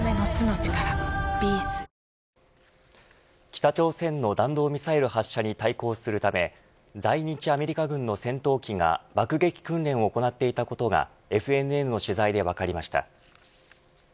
北朝鮮の弾道ミサイル発射に対抗するため在日アメリカ軍の戦闘機が爆撃訓練を行っていたことがＦＮＮの取材で分かりました。